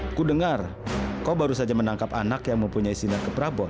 aku dengar kau baru saja menangkap anak yang mempunyai sinar ke prabon